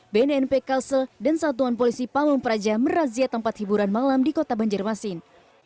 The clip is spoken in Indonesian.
bnnp kalse dan satuan polisi pamung praja merazia tempat hiburan malam di kota banjarmasin